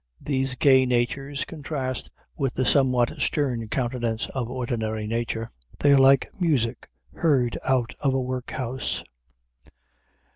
These gay natures contrast with the somewhat stern countenance of ordinary nature; they are like music heard out of a workhouse.